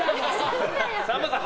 さんまさん